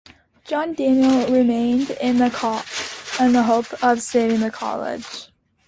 John Daniel, remained in the hope of saving the college.